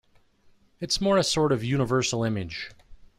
It's more a sort of universal image.